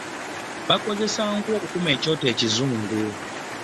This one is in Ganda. Bakozesa nku okukuma keyoto ekizungu .